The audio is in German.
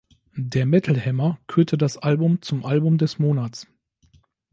Der Metal Hammer kürte das Album zum Album des Monats.